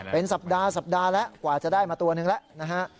เป็นสัปดาห์แล้วกว่าจะได้มาตัวหนึ่งแล้ว